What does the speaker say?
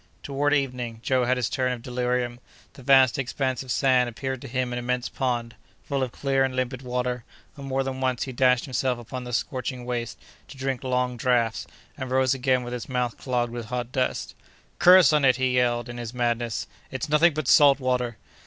Toward evening, Joe had his turn of delirium. The vast expanse of sand appeared to him an immense pond, full of clear and limpid water; and, more than once, he dashed himself upon the scorching waste to drink long draughts, and rose again with his mouth clogged with hot dust. "Curses on it!" he yelled, in his madness, "it's nothing but salt water!"